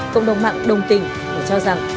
cộng đồng mạng đồng tình và cho rằng